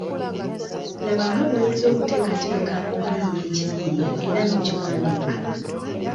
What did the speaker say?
Laga nga bw’oyinza okuteekateeka okuyiiya ekiyiiye era n’okiwandiika.